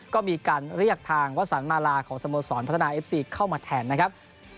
ก็มีการเรียกทางวสันมาลาของสโมสรพัฒนาเอฟซีเข้ามาแทนนะครับ